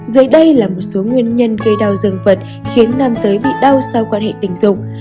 dưới đây là một số nguyên nhân gây đau rừng vật khiến nam giới bị đau sau quan hệ tình dục